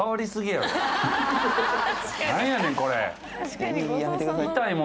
やめてください。